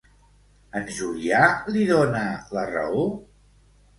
En Julià li dona la raó?